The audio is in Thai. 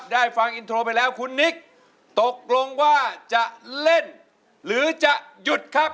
ฟังอินโทรไปแล้วคุณนิกตกลงว่าจะเล่นหรือจะหยุดครับ